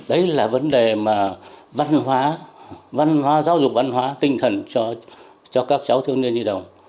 đấy là vấn đề mà văn hóa văn hóa giáo dục văn hóa tinh thần cho các cháu thiếu niên nhi đồng